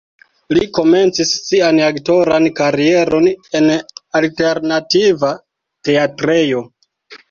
Li komencis sian aktoran karieron en alternativa teatrejo.